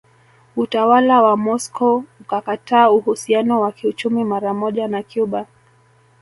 Utawala wa Moscow ukakata uhusiano wa kiuchumi maramoja na Cuba